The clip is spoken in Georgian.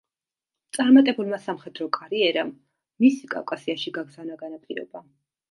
წარმატებულმა სამხედრო კარიერამ მისი კავკასიაში გაგზავნა განაპირობა.